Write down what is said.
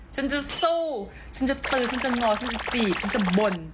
ฉันจะสู้ฉันจะตื้อฉันจะง้อฉันจะจีบฉันจะบ่น